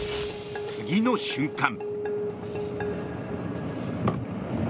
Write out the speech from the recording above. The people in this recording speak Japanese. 次の瞬間。